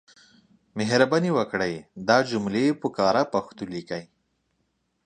مهرباني وکړئ دا جملې په کره پښتو ليکئ.